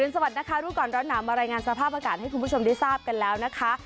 สวัสดีนะคะรู้ก่อนร้อนหนาวมารายงานสภาพอากาศให้คุณผู้ชมได้ทราบกันแล้วนะคะ